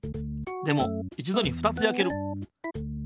でもいちどに２つやける。